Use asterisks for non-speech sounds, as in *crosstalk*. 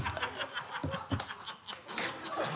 ハハハ *laughs*